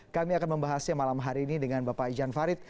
kami akan membahasnya malam hari ini dengan bapak ijan farid